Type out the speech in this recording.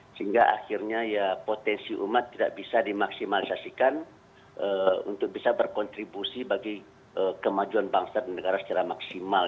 sehingga akhirnya ya potensi umat tidak bisa dimaksimalisasikan untuk bisa berkontribusi bagi kemajuan bangsa dan negara secara maksimal